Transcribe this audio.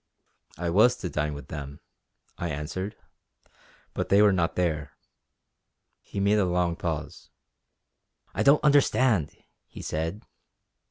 "I was to dine with them;" I answered "but they were not there." He made a long pause. "I don't understand!" he said.